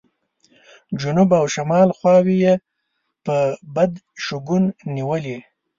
جنوب او شمال خوا یې په بد شګون نیولې.